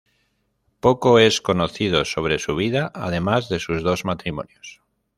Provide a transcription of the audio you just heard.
Poco es conocido sobre su vida además de sus dos matrimonios.